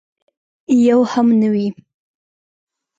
یو هم نه وي.